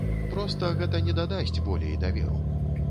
Проста гэта не дадасць болей даверу.